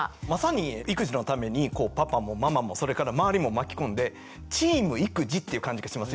（小育児のためにパパもママもそれから周りも巻き込んで「チーム育児」っていう感じがしますよね。